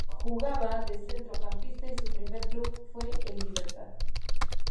Jugaba de centrocampista y su primer club fue el Libertad.